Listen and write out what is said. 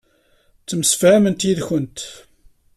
Ttemsefhament yid-kent.